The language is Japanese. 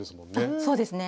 そうですね